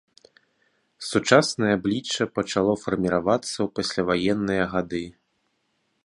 Сучаснае аблічча пачало фарміравацца ў пасляваенныя гады.